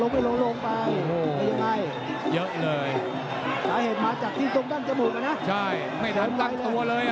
พริกเหลี่ยมหักลงไปลงลงไปโอ้โหยังไงเยอะเลย